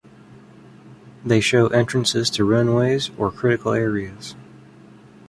They show entrances to runways or critical areas.